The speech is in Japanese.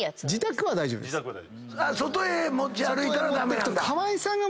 外へ持ち歩いたら駄目なんだ。